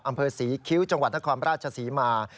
อำเภอศรีคิ้วจังหวัดนครราชศรีมา